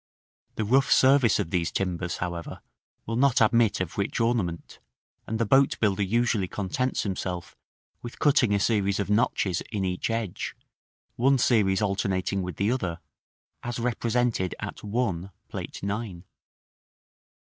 The rough service of these timbers, however, will not admit of rich ornament, and the boatbuilder usually contents himself with cutting a series of notches in each edge, one series alternating with the other, as represented at 1, Plate IX. § III.